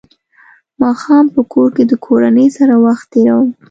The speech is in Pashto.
ماښام په کور کې د کورنۍ سره وخت تېروم.